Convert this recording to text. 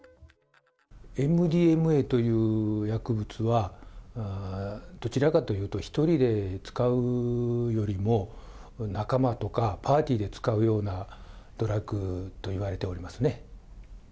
ＭＤＭＡという薬物は、どちらかというと、１人で使うよりも、仲間とか、パーティーで使うようなドラッグといわれておりますね。